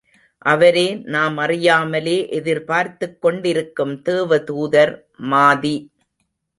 அவரே நாம் அறியாமலே எதிர்பார்த்துக் கொண்டிருக்கும் தேவதூதர் மாதி!